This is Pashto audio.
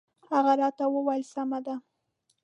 هغه راته وویل سمه ده.